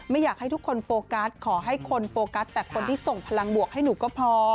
อยากให้ทุกคนโฟกัสขอให้คนโฟกัสแต่คนที่ส่งพลังบวกให้หนูก็พอ